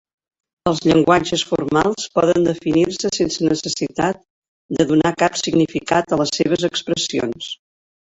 Els llenguatges formals poden definir-se sense necessitat de donar cap significat a les seves expressions.